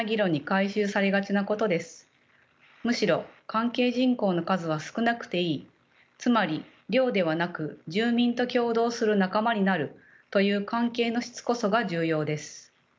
むしろ関係人口の数は少なくていいつまり量ではなく住民と協働する仲間になるという関係の質こそが重要です。